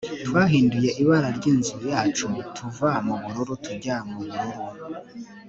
twahinduye ibara ryinzu yacu tuva mubururu tujya mubururu